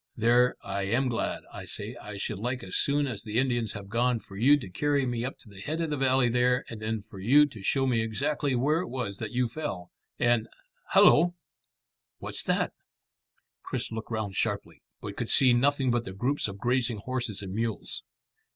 There, I am glad. I say, I should like as soon as the Indians have gone, for you to carry me up to the head of the valley there, and then for you to show me exactly where it was that you fell, and Hallo! What's that?" Chris looked round sharply, but could see nothing but the groups of grazing horses and mules.